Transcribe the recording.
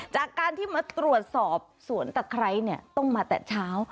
จากการที่มาตรวจสอบสวนตะไคร้เนี่ยต้องมาแต่เช้า